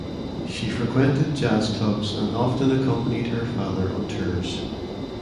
She frequented jazz clubs and often accompanied her father on tours.